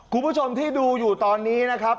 คุณผู้ชมที่ดูอยู่ตอนนี้นะครับ